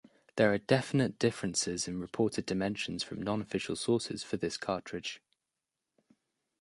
There are definite differences in reported dimensions from non-official sources for this cartridge.